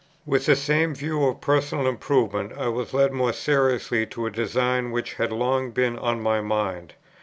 "With the same view of personal improvement I was led more seriously to a design which had been long on my mind.